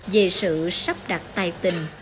về sự sắp đặt tài tình